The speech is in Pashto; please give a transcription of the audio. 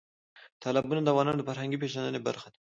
تالابونه د افغانانو د فرهنګي پیژندنې برخه ده.